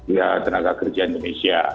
ya tenaga kerja indonesia